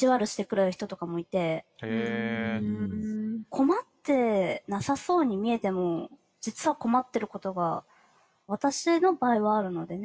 困ってなさそうに見えても実は困ってることが私の場合はあるのでね。